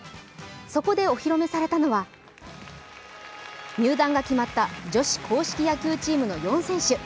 そこでお披露目されたのは、入団が決まった女子硬式野球チームの４選手。